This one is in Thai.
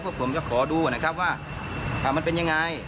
พวกผมจะขอดูนะครับว่ามันเป็นยังไง